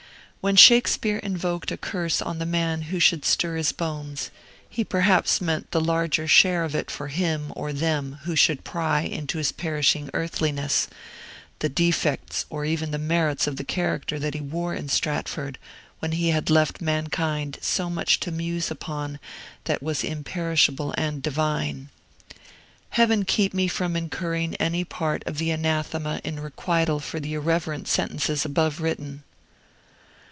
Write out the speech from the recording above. When Shakespeare invoked a curse on the man who should stir his bones, he perhaps meant the larger share of it for him or them who should pry into his perishing earthliness, the defects or even the merits of the character that he wore in Stratford, when he had left mankind so much to muse upon that was imperishable and divine. Heaven keep me from incurring any part of the anathema in requital for the irreverent sentences above written!